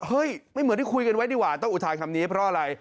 ไม่เหมือนที่คุยกันไว้ดีกว่าต้องอุทานคำนี้เพราะอะไร